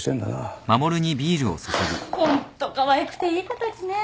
ハァホントかわいくていい子たちね。